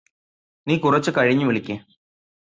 നീ കുറച്ച് കഴിഞ്ഞ് വിളിക്ക്